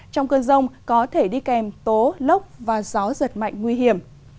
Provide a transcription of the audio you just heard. trong cơn rông có thể đi kèm tố lốc và gió giật mạnh nguy hiểm